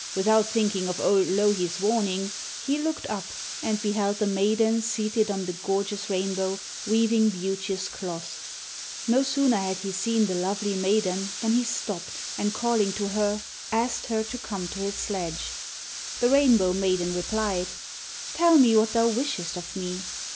Without thinking of old Louhi's warning, he looked up and beheld the maiden seated on the gorgeous rainbow weaving beauteous cloths. No sooner had he seen the lovely maiden than he stopped, and calling to her asked her to come to his sledge. The Rainbow maiden replied: 'Tell me what thou wishest of me.'